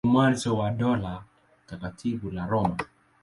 Ndio mwanzo wa Dola Takatifu la Roma.